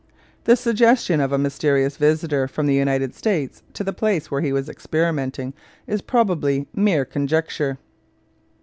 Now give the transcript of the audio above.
The suggestion of a 'mysterious visitor' from the United States to the place where he was experimenting is probably mere conjecture.